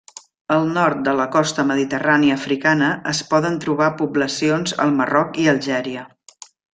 Al nord de la costa mediterrània africana es poden trobar poblacions al Marroc i Algèria.